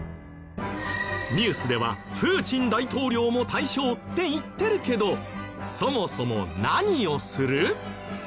ニュースではプーチン大統領も対象って言ってるけどそもそも何をする？